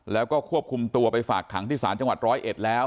แล้วก็ควบคุมตัวไปฝากขังที่ศาลจังหวัดร้อยเอ็ดแล้ว